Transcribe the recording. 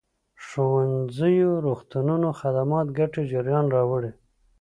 ښوونځيو روغتونونو خدمات ګټې جريان راوړي.